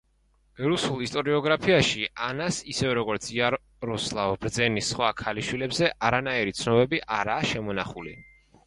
რუსულ ისტორიოგრაფიაში ანას, ისევე როგორც იაროსლავ ბრძენის სხვა ქალიშვილებზე, არანაირი ცნობები არაა შემონახული.